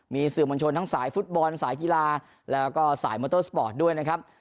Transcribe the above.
มีสื่อมวลชนทั้งสายฟุตบอลสายกีฬาแล้วก็สายมอเตอร์สปอร์ตด้วยนะครับ